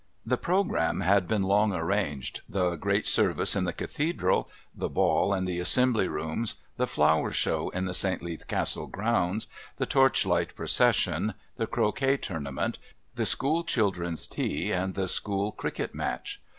The programme had been long arranged the great Service in the Cathedral, the Ball in the Assembly Rooms, the Flower Show in the St. Leath Castle grounds, the Torchlight Procession, the Croquet Tournament, the School children's Tea and the School Cricket match.